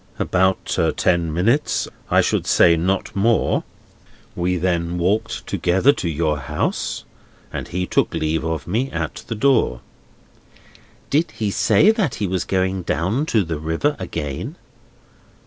"About ten minutes; I should say not more. We then walked together to your house, and he took leave of me at the door." "Did he say that he was going down to the river again?"